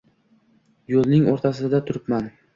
Yo’lning o’rtasida turibman.